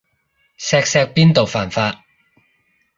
錫錫邊度犯法